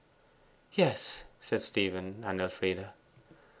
'Yes,' said Stephen and Elfride.